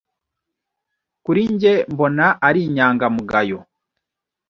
Kuri njye mbona ari inyangamugayo.